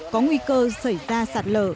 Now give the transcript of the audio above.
có nguy cơ xảy ra sạt lở